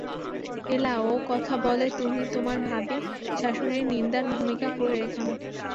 এলা, ও-কথা বলে তুমি তোমার ভাবী শাশুড়ীর নিন্দার ভূমিকা করে রেখো না।